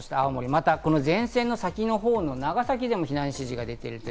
また前線の先のほうの長崎でも避難指示が出ています。